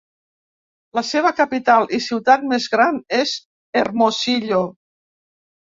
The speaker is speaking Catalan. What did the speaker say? La seva capital i ciutat més gran és Hermosillo.